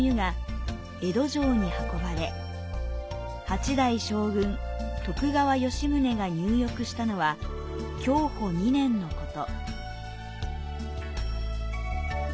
８代将軍徳川吉宗が入浴したのは享保２年のこと。